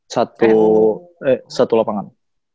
satu eh satu lapangan